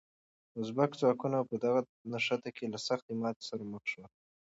ازبک ځواکونه په دغه نښته کې له سختې ماتې سره مخ شول.